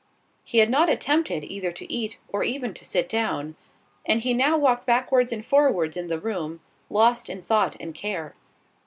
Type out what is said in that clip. He had not attempted either to eat, or even to sit down; and he now walked backwards and forwards in the room, lost in thought and care.